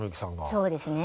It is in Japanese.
そうですね。